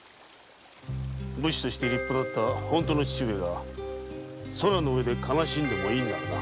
武士として立派だった本当の父上が空の上で悲しんでもいいのならな。